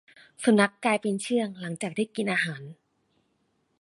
สุนัขกลายเป็นเชื่องหลังจากที่กินอาหาร